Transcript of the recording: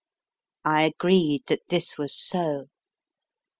I agreed that this was so.